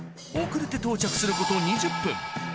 遅れて到着すること２０分。